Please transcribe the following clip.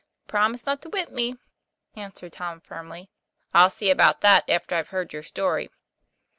"Promise not to whip me," answered Tom, firmly. " I'll see about that after I've heard your story."